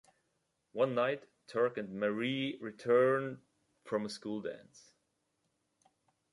One night, Turk and Marie return from a school dance.